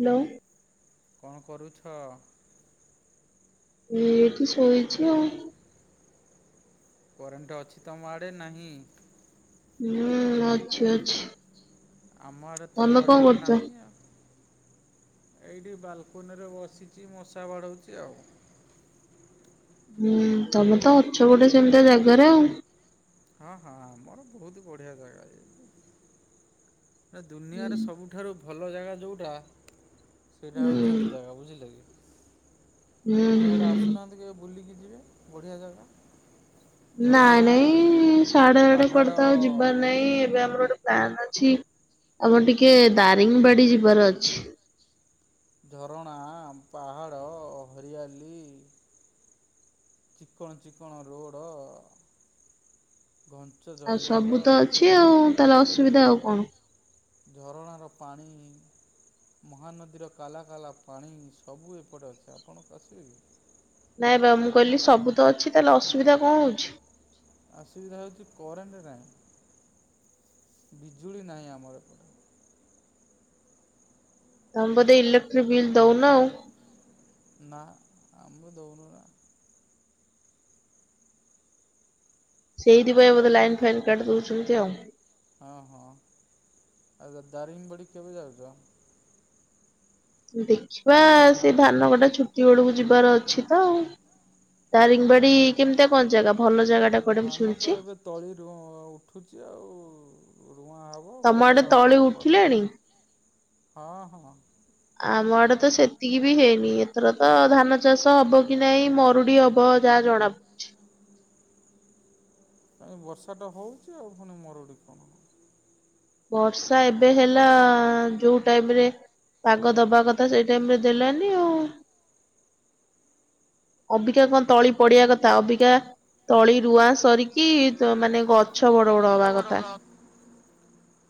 Hello. କଣ କରୁଛ? ଏଇଠି ଶୋଇଛି ଆଉ। କରେଣ୍ଟ ଅଛି ତମ ଆଡେ ନାହିଁ? ହୁଁ ଅଛି ଅଛି। ଆମ ଆଡ଼େ ତ ତମେ କଣ କରେଣ୍ଟ କରୁଛ? ନାହିଁ ଆଉ। ଏଇଠି ବାଲକୁନି ରେ ବସିଛି ମଶା ବାଡଉଛି ଆଉ। ହୁଁ ତମେ ତ ଅଛ ଗୋଟେ ସେମିତି ଜାଗାରେ ଆଉ। ହଁ ହଁ ଆମୋର ବହୁତ ବଢିଆ ଜାଗା ଇଏ ଯେ। ହୁଁ ଦୁନିଆର ସବୁଠାରୁ ଭଲ ଜାଗା ଯେଉଁଟା ସେଇଟା ହୁଁ ହୁଁ। ହଉଛି ଏଇ ଜାଗା ବୁଝିଲେ କି। ପୁଣି ଏଇଆଡ଼େ ହୁଁ। ଆସୁନାହାନ୍ତି କି ବୁଲିକି ଯିବେ ବଢ଼ିଆ ଜାଗା। ନାଇଁ ଝରଣା ନାଇଁ ସାଢେ ଆଡେ ପାହାଡ଼ କରିଥା ଆଉ ଯିବାର ନାଇଁ ଏବେ ଆମର ଗୋଟେ ତ ଅଛି ଆମର ଟିକେ ଦାରିଙ୍ଗବାଡି ଯିବାର ଅଛି। ଝରଣା ପାହାଡ଼ ହରିଆଲି। ଚିକଣ ଚିକଣ ରୋଡ। ଆଉ ସବୁ ତ ଅଛି ଆଉ ତାହେଲେ ଅସୁବିଧା ଆଉ କଣ? ଝରଣାର ପାଣି। ମହାନଦୀର କାଲା କାଲା ପାଣି ସବୁ ଏପଟେ ଅଛି ଆପଣ ଆସିବେ କି? ନାଇଁ ବା ମୁଁ କହିଲି ସବୁ ତ ଅଛି ତାହେଲେ ଅସୁବିଧା କଣ ହେଉଛି? ଅସୁବିଧା ହଉଛି କରେଣ୍ଟ ନାହିଁ। ବିଜୁଳି ନାହିଁ ଆମର ଏପଟେ। ତମେ ବଧେ ଲେକ୍ଟ୍ରିକ୍ ବିିଲ୍ ଦଉନ ଆଉ। ନା ଆମ ଦଉନ ନା। ସେଇଥିପାଇଁ ବୋଧେ ଲାଇନ ଦାରିଙ୍ଗ ଫାଇନ୍ କାଟି ଦଉଛନ୍ତି ଆଉ। ହଁ ହଁ ଆ ଦା ଦାରିଙ୍ଗବାଡି କେବେ ଯାଉଛ? ଦେଖିବା ସେ ଧାନ କଟା ଛୁଟି ବେଳକୁ ଯିବାର ଅଛି ତ ଆଉ। ଦାରିଙ୍ଗବାଡି କେମିତିଆ କଣ ଜାଗା? ଭଲ ଜାଗା ଟା କୁଆଡେ ମୁଁ ଧାନ ଶୁଣିଛି। ତ ଏବେ ତଳିରୁ ଉଠୁଛି ଆଉ। ରୁଆ ହେବ ତମ ଗଛ ଆଡେ ତଳି ହେବ ଉଠିଲେଣି ହଁ ହଁ ଆମ ଆଡେ ତ ସେତିକି ବି ହେଇନି ଏଥର ତ ଧାନ ଚାଷ ହବ କି ନାଇଁ ମରୁଡି ହବ ଯାହା ଜଣା ହୁଁ। କାହିଁ ବର୍ଷା ଟା ହଉଛି ଆଉ ପୁଣି ମରୁଡି କଣ। ବର୍ଷା ଏବେ ହେଲା ଯୋଉ ଟାଇମ ରେ। ପାଗ ଦବା କଥା ସେଇ ଟାଇମ ରେ ଦେଲାନି ଆଉ। ଅବିକା କଣ ତଳି ପଡିବା କଥା ଅବିକା ତଳି ରୁଆ ସରିକି ତ ମାନେ ଗଛ ବଡ ବଡ ହବା କଥା।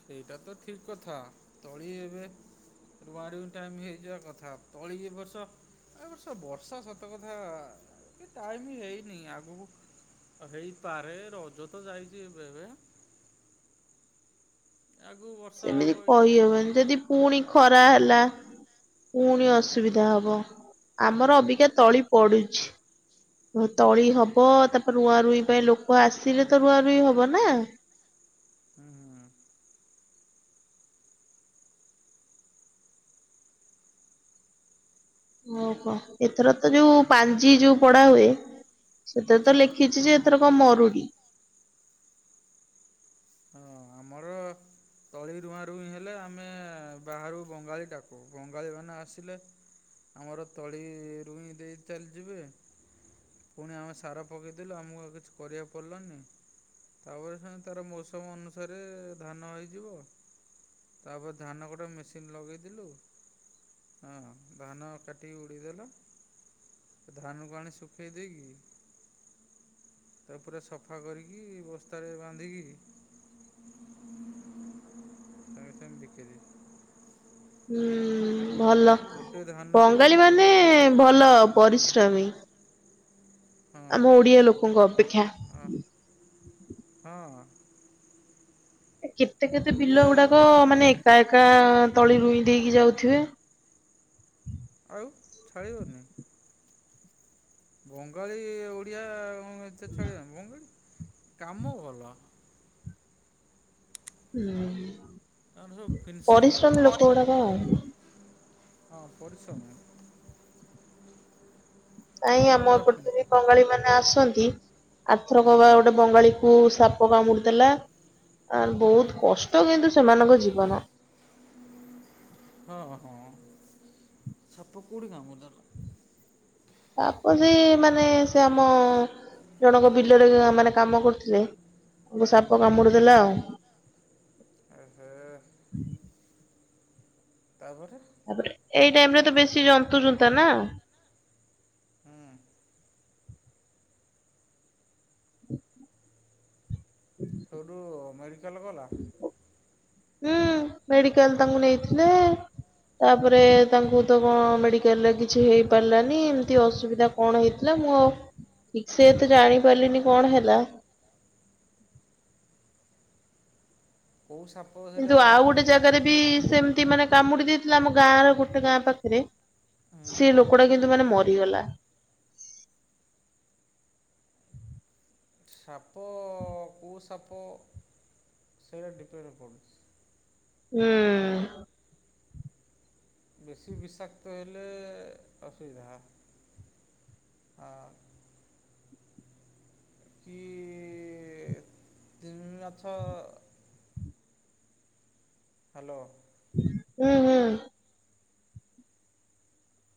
ସେଇଟା ତ ଠିକ କଥା ତଳି ଏବେ ରୁଆ ରୁଇଁ ହେଇଯିବା କଥା ତଳି ଏ ବର୍ଷ ଏ ବର୍ଷ ବର୍ଷା ସତ କଥା ଟାଇମ ହେଇନି ଆଗକୁ ହେଇପାରେ ରଜ ତ ଯାଇଛି ଏବେ ଏବେ। ଆଗକୁ ବର୍ଷା ସେମିତି ହବ କି କଣ। କହିହବନି ଯଦି ପୁଣି ଖରା ହେଲା। ପୁଣି ଅସୁବିଧା ହବ ଆମର ଅବିକା ତଳି ପଡୁଛି। ତଳି ହୁଁ ହବ ତାପରେ ରୁଆ ରୁଇଁ ପାଇଁ ଲୋକ ଆସିଲେ ତ ରୁଆ ରୁଇଁ ହବ ନା। ହୁଁ ହୁଁ ହୁଁ। ଓହୋ ଏଥର ତ ଯୋଉ ପାଞ୍ଜି ଯୋଉ ପଢା ହୁଏ। ସେଥିରେ ତ ଆଚ୍ଛା ହଁ ଲେଖିଛି ଯେ ଏଥର କଣ ମରୁଡି। ହଁ ଆମର। ତଳି ରୁଆଁ ରୁଇଁ ହେଲେ ଆମେ ବାହାରୁ ବଙ୍ଗାଳୀ ଡାକୁ ବଙ୍ଗାଳୀ ମାନେ ଆସିଲେ ଆମର ତଳି ରୁୁଇଁ ଦେଇ ଚାଲିଯିବେ। ପୁଣି ଆମେ ସାର ପକେଇଦେଲୁ ଆମକୁ ଆଉ କିଛି କରିବାକୁ ପଡ଼ିଲାନି। ତାପରେ ଶୁଣି ତାର ମୌସମ ଅନୁସାରେ ଧାନ ହେଇଯିବ। ତାପରେ ଧାନ କଟା ମେସିନ୍ ଲଗେଇଦେଲୁ। ହଁ ଧାନ କାଟିିକି ଉଡେଇଦେଲ। ଧାନକୁ ଆଣି ଶୁଖେଇ ଦେଇକି ତା ପୁରା ସଫା କରିକି ବସ୍ତାରେ ବାନ୍ଧିକି ସାଙ୍ଗେ ସାଙ୍ଗ ବିକିରି। ହୁଁ ଭଲ ଧାନରୁ ବଙ୍ଗାଳୀ ମାନେ ଭଲ ପରିଶ୍ରମୀ। ହଁ ଆମ ଓଡିଆ ଲୋକଙ୍କ ଅପେକ୍ଷା। ହଁ କେତେ କେତେ ବିଲ ଓଡ଼ିଆ ଗୁଡାକ ମାନେ ଏ ଏକା ଏକା ତଳି ରୁଇଁ ଦେଇକି ଯାଉଥିବେ। ଆଉ ଛାଡ଼ିବନି। ବଙ୍ଗାଳୀ ଓଡିଆ ଏତେ ଛାଡିବ ବଙ୍ଗାଳୀ କାମ ଭଲ। ହୁଁ। ତାଙ୍କର ସବୁ ଫିନସିଂ କାମ। ପରିଶ୍ରମୀ ଲୋକ ହଁ ଗୁଡାକ ଆଉ। ପରିଶ୍ରମି଼। ନାଇ ଆମ ଏପଟେ ବି ବଙ୍ଗାଳୀ ମାନେ ଆସନ୍ତି ଆଥର କ ବା ଗୋଟେ ବଙ୍ଗାଳୀ କୁ ସାପ କାମୁଡିଥିଲା ଆ ବହୁତ କଷ୍ଟ କିନ୍ତୁ ସେମାନଙ୍କ ଜୀବନ। ହୁଁ। ହଁ ହଁ ସାପ କାଉଠି କାମୁଡ଼ିଲା ଦେଲା? ସାପ ସେଇ ସେ ମାନେ ସେ ଆମ ଜଣଙ୍କ ବିଲରେ ମାନେ କାମ କରୁଥିଲେ ତାଙ୍କୁ ସାପ ହୁଁ କାମୁଡିଦେଲା ଆଉ। ଏ ହେ। ତାପରେ? ତାପରେ ଏଇ ଟାଇମ ରେ ତ ବେଶୀ ଯନ୍ତୁ ଜତା ନା। ହୁଁ ସଠୁ ମେଡିକାଲ ଗଲା? ହୁଁ ମେଡିକାଲ ତାଙ୍କୁ ନେଇଥିଲେ। ତାପରେ ତାଙ୍କୁ ତ କଣ ମେଡିକାଲ ରେ କିଛି ହେଇ ପାରିଲାନି ଏମିତି ଅସୁବିଧା କଣ ହେଇଥିଲା। ମୁଁ ଆଉ ଠିକ ସେ ତ ଜାଣିପାରିଲିନି କଣ ହେଲା। [inaudible] କୋଉ ସାପ ସେଇଟା କିନ୍ତୁ ଆଉ ଗୋଟେ ଦେଖିଥିବା ଜାଗାରେ ବି ସେମିତି ମାନେ କାମୁଡି ଦେଇ ଥିଲା ଆମ ଗାଁ ର ଗୋଟେ ଗାଁ ପାଖରେ ସେ ହୁଁ ଲୋକଟା କିନ୍ତୁ ମାନେ ମରିଗଲା। [inaudible] ସାପ କୁଉ ସାପ। ସେଇରା ଦିପେଣ୍ଡ କରୁଛି। ହୁଁ। ବେଶୀ ବିଷାକ୍ତ ହେଲେ ଅସୁବିଧା। ହଁ। କି ତିମି ମାଛ। ହ୍ୟାଲୋ। ହୁଁ ହୁଁ।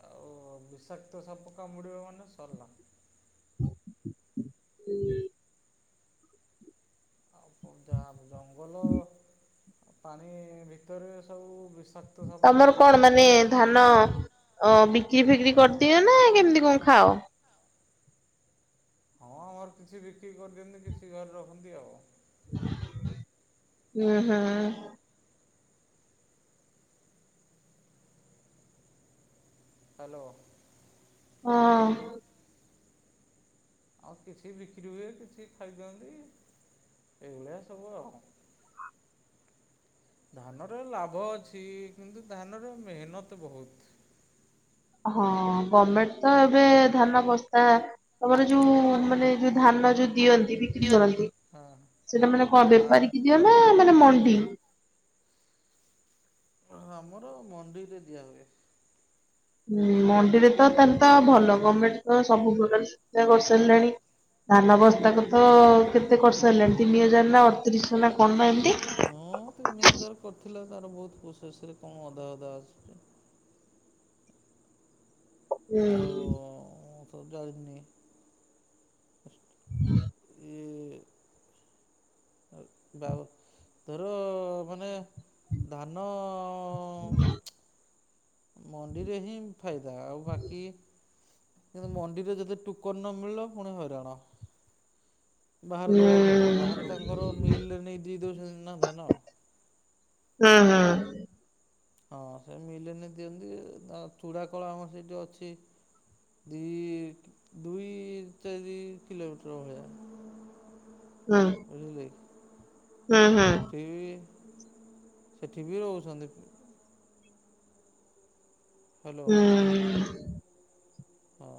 ଆଉ ବିଷାକ୍ତ ସପକା ମୁଡିବ ମାନେ ସରିଲା। ହୁଁ। ଆଉ ଯା ଜଙ୍ଗଲ ପାଣି ଭିତରେ ସବୁ ବିଷାକ୍ତ ସାପ ତମର ଅଧିକା କଣ ରୁହନ୍ତି। ମାନେ ଧାନ। ଓ ବିକ୍ରି ଫିକ୍ରି କରିଦିଅ ନା କେମିତି କଣ ଖାଅ? ହଁ ଆମର କିଛି ବିକ୍ରି କରିଦିଅନ୍ତି କିଛି ଘରେ ରଖନ୍ତି ଆଉ। ହୁଁ ହୁଁ। ହ୍ୟାଲୋ। ହଁ। ଆଉ କିଛି ବିକ୍ରି ହୁଏ କିଛି ଖାଇଦିଅନ୍ତି। ଏଇ ଭଳିଆ ସବୁ ଆଉ। ଧାନର ଲାଭ ଅଛି କିନ୍ତୁ ଧାନର ମେହନତ ବହୁତ। ହଁ ଗଭର୍ଣମେଣ୍ଟ ତ ଏବେ ଧାନ ବସ୍ତା ତମର ଯୋଉ ମାନେ ଯଉ ଧାନ ଯଉ ଦିଅନ୍ତି ବିକ୍ରି କରନ୍ତି ହଁ ସେଟା ମାନେ କଣ ବେପାରୀ ହଁ କି ଦିଅ ନା ମାନେ ଣ୍ଡି। ଆମର ମଣ୍ଡିରେ ଦିଆ ହୁଏ। ମଣ୍ଡିରେ ତ ତାହେଲେ ତ ଭଲ ଗଭର୍ଣମେଣ୍ଟ ତ ସବୁ ପ୍ରକାର ଶିକ୍ଷା କରିସାରିଲାଣି। ଧାନ ବସ୍ତା କ ତ କେତେ ଖର୍ଷ ହେଲାଣି ତିନି ହଜାର ନା ଅଠତିରିଶଶହ ନା କଣ ନା ଏମିତି? ହଁନି ହଜାର କରିଥିଲା ତାର ବହୁତ ପୁସରେ କଣ ଅଧା ଅଧା ଆସୁଛି। ହୁଁ। ଆଉ [unintelligible] ହୁଁ କି। ବାବ ତୋର ମାନେ ଧାନ। ମଣ୍ଡିରେ ହିଁ ଫାଇଦା ଆଉ ବାକି କିନ୍ତୁ ମଣ୍ଡିରେ ଯଦି ଟୁୋକର ନ ମିଳିଲ ପୁଣି ହଇରାଣ। ବାହାରେ ହୁଁ ଦବାକୁ ପଡିବ ବାହାରେ ତାଙ୍କର ମିଲରେ ନେଇ ଦେଇ ଦଉଛନ୍ତି ନା ଧାନ। ହୁଁ ହୁଁ। ହଁ ସେ ମିଲେନି ଦିଅନ୍ତି ଚୂଡ଼ା କଳ ଆମର ସେଇଠି ଅଛି। ଦଇ ଦୁଇ ଚାର କିଲୋମିଟରା ଭଳିଆ। ହୁଁ। ବୁଝିଲେକି। ହୁଁ ହୁଁ ଠି ସେଠିଭି ରହୁଛନ୍ତି। ହ୍ୟାଲୋ। ହଁ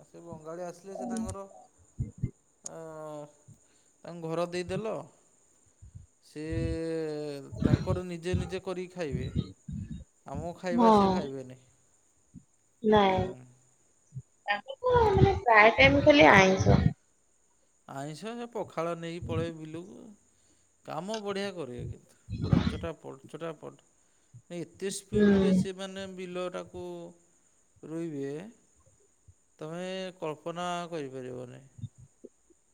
ଆ ସେ ବଙ୍ଗାଳୀ ଆସିଲେ ସେ ତାଙ୍କର ତାଙ୍କୁ ଘର ଦେଇଦେଲ ସିଏ ତାଙ୍କର ନିଜେ ନିଜେ କରିକି ଖାଇବେ। ଆମକୁ ଖାଇବା ହଁ ସେ ଖାଇବେନି। ହୁଁ ନାଇଁ [unintelligible] ପ୍ରାୟ ଟାଇମ ଖାଲି ଆଇଁଷ। ଆଇଁଷ ସେ ପଖାଳ ନେଇକି ପଳେଇ ବିଲକୁ କାମ ବଢିଆ କରିବ କି ପୁରା ଚୋଟାପଟ ଚୋଟାପଟ ଏତେ ହୁଁ ସ୍ପିଡ ରେ ସେ ମାନେ ବିିଲର ତାକୁ ରୋଇବେ ତମେ କଳ୍ପନା କରିପାରିବନି।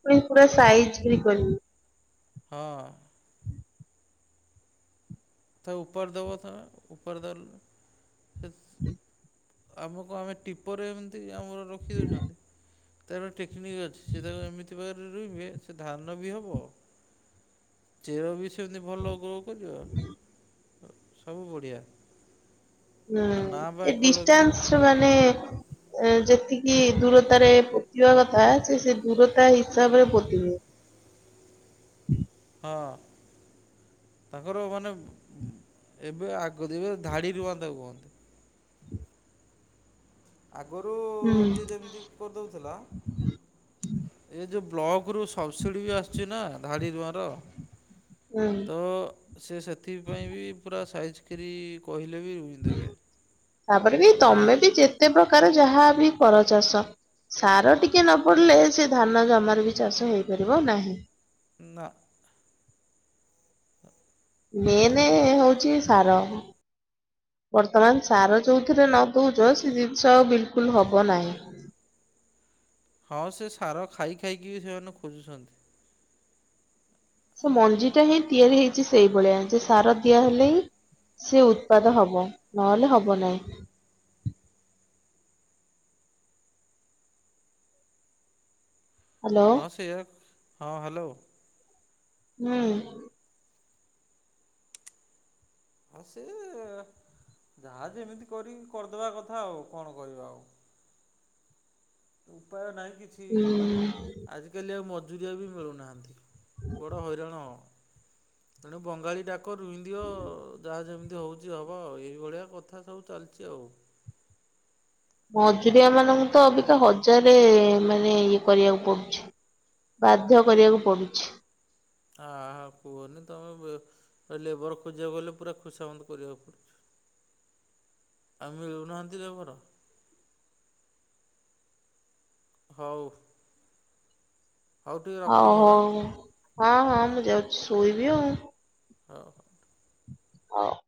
ପଣି ପୁରା ସାାଇଜ କିରି କରିବୁ। ହଁ। ତ ଉପର ଦବ ତ ଉପର ଦଉ ଆମକୁ ଆମେ ଟିପରେ ଏମତି ଆମର ରଖିଦଉଛନ୍ତି ତାର ଠିକ୍ ଅଛି ସେ ତାକୁ ଏମିତି ବାଖରେ ରୋହବେ ସେ ଧାନ ବି ହେବ। ଚେର ବି ସେମିତି ଭଲ ଗ୍ରୋ କରିବ। ସବୁ ବଢ଼ିଆ। ହୁଁ ତା ନାଁ ବା ସେ ଏକଲବ୍ୟ ଡିସାନ୍ସ ମାନେ ଯେତିକି ଦୂରତାରେ ପୋତିବା କଥା ସେ ଦୂରତା ହିସାବରେ ପୋତି ବେ। ହୁଁ। ହଁ। ତାଙ୍କର ମାନେ ଏବେ ଆଗ ଏବେ ଧାଡିରୁୁହନ୍ତିତାକୁ କୁହନ୍ତି। ଆଗରୁ ହୁଁ ଯିଏ ଯେମିତି କରିଦେଉଥିଲା ଏ ଯେଉଁ ବ୍ଲକ ରୁ ସବସିଡି ବି ଆସିଛି ନା ଧାଡ଼ି ଦୁଆଁର। ହୁଁ ତ ସେ ସେଥିପାଇ ବି ପୁରା ସାଇଜ କରି କହିଲେ। ବି ରୁଇଦେବେ ତାପରେ ବି ତମେ ବି ବୁଝିଲେ ଯେତେ ପ୍ରକାର ଯାହା ବି କର ଚାଷ ସାର ଟିକେ ନ ପଡିଲେ ସେ ଧାନ ଜମାରୁ ବି ଚାଷ ହେଇପାରିବ ନାହିଁ। ନା। ମେନ୍ ହଉଛି ସାର। ବର୍ତ୍ତମାନ ସାର ଯଉଁଥିରେ ନ ଦଉଛ ସେ ଜିନିଷ ଆ ବିଲକୁଲ ହବ ନାହିଁ। ହଁ ସେ ସାର ଖାଇ ଖାଇକି ସେମାନେ ଖୋଜୁଛନ୍ତି। ସେ ମଞ୍ଜି ଟା ହିଁ ତିଆରି ହେଇଛି ସେଇଭଳିଆ ଯେ ସାର ଦିଆ ହେଲେ ହିଁ ସେ ଉତ୍ପାଦ ହବ ନହେଲେ ହବ ନାହିଁ। ହ୍ୟାଲୋ ହଁ ସେୟ ହଁ ହ୍ୟାଲୋ। ହୁଁ। ହଁ ସେ ଯାହା ଯେମିତି କରିି କରିଦବା କଥା ଆଉ, କଣ କରିବା ଆଉ? ଉପାୟ ନାହିଁ କିଛି? ହୁଁ ଆଜିିକାଲି ଆଉ ମ ଜୁରିଆ ବି ମିଳୁନାହାଁନ୍ତି। ବଡ଼ ହଇରାଣ ଏଣୁ ବଙ୍ଗାଳୀ ଡାକ୍। କରୁହିଁନ୍ଦିଅ ଯାହା ଯେମିତି। ହଉଛି ହବ ଆଉ। ଏଇଭଳିଆ କଥା ସବୁ ଚାଲିଛି ଆଉ। ମଜୁରିଆ ମାନଙ୍କୁ ତ ଅବିକା ହଜାରେ, ମାନେ ଇଏ କରିବାକୁ ପଡୁଛି। ବାଧ୍ୟ କରିବାକୁ ପଡୁଛି। ହ, ହ କୁହନି ତମେ ଲେବର ଖୋଜିବାକୁ ଗଲେ, ପୁରା ଖୋସାମତ କରିବାକୁ ପଡୁଛି। ଆ ମିଳୁନାହାଁନ୍ତି ଯବର? ହଉ। ହଉ ଟିକେ ହଉ, ରଖନ୍ତୁ ଆଁ ହଉ, ହଁ ହଁ, ମୁଁ ଯାଉଛି ସୋଇବି ଆଉ। ହ। ହ।